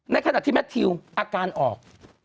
ในขณะที่แมททิวอาการออก